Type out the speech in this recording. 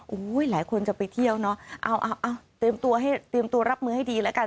โอ้ยหลายคนจะไปเที่ยวเนอะเอาเตรียมตัวรับมือให้ดีแล้วกัน